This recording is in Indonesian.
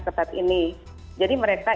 ketat ini jadi mereka